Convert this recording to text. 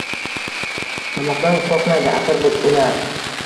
Qamoqdan qoʻrqmaydi, axir u bilar: